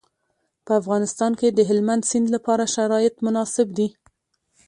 په افغانستان کې د هلمند سیند لپاره شرایط مناسب دي.